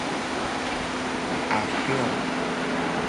Afla.